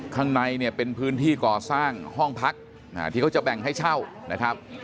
ข้างในเนี่ยเป็นพื้นที่ก่อสร้างห้องพักที่เขาจะแบ่งให้เช่านะครับ